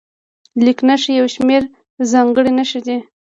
لیک نښې یو شمېر ځانګړې نښې دي.